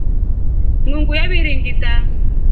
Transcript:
Nungu yabiringitra.